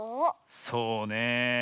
そうねえ。